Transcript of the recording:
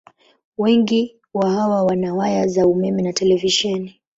Wengi wa hawa wana waya za umeme na televisheni.